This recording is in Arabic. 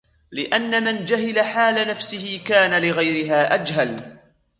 لِأَنَّ مَنْ جَهِلَ حَالَ نَفْسِهِ كَانَ لِغَيْرِهَا أَجْهَلَ